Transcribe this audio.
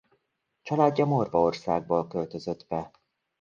Családja Morvaországból költözött be.